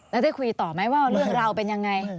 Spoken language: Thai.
แล้วได้คุยต่อไหมว่าเรื่องราวเป็นยังไง